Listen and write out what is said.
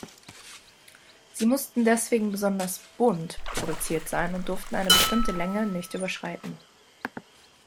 Sie mussten deswegen besonders „bunt“ produziert sein und durften eine bestimmte Länge nicht überschreiten.